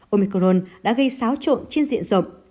omicron đã gây xáo trộn trên diện rộng